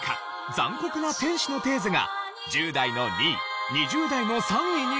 『残酷な天使のテーゼ』が１０代の２位２０代の３位にランクイン！